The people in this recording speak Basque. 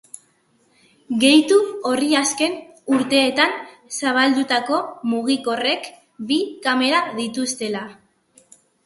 Gehitu horri azken urteetan zabaldutako mugikorrek bi kamera dituztela.